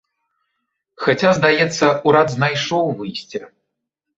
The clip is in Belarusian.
Хаця, здаецца, урад знайшоў выйсце.